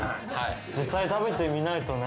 実際食べてみないとね。